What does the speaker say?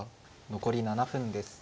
残り７分です。